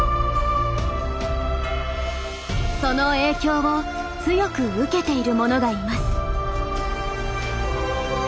その影響を強く受けているものがいます。